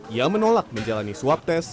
ia menolak menjalani swab test